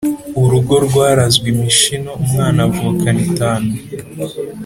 urugo rwarazwe imishino, umwana avukana itanu